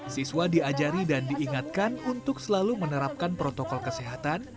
siswa diajari dan diingatkan untuk selalu menerapkan protokol kesehatan